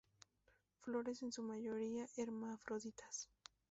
Flores en su mayoría hermafroditas.